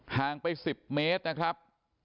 ห่างไป๑๐เมตรนะครับ